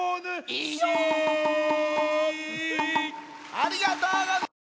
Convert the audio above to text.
ありがとうございます！